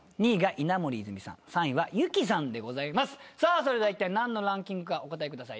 それではいったい何のランキングかお答えください。